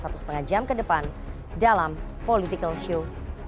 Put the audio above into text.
satu setengah jam ke depan dalam political show